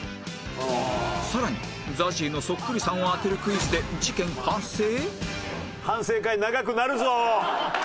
さらに ＺＡＺＹ のそっくりさんを当てるクイズで事件発生！？